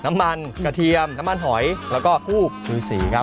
น้ำมันกระเทียมน้ำมันหอยแล้วก็ทูบคือสีครับ